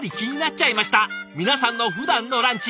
皆さんのふだんのランチ。